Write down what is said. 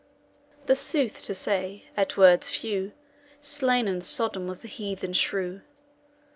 The sooth to say, at wordes few, Slain and sodden was the heathen shrew.